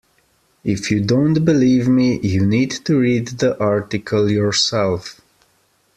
If you don't believe me, you need to read the article yourself